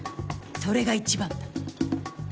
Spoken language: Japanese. それが一番だ。